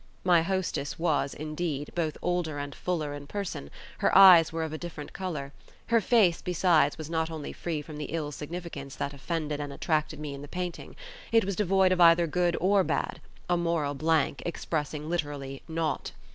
My hostess was, indeed, both older and fuller in person; her eyes were of a different colour; her face, besides, was not only free from the ill significance that offended and attracted me in the painting; it was devoid of either good or bad—a moral blank expressing literally naught.